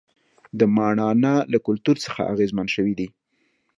د ماڼانا له کلتور څخه اغېزمن شوي دي.